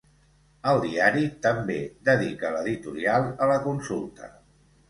El diari també dedica l’editorial a la consulta.